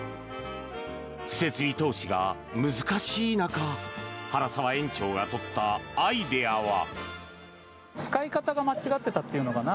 設備投資が難しい中原澤園長が取ったアイデアは。